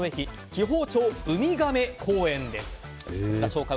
紀宝町ウミガメ公園です。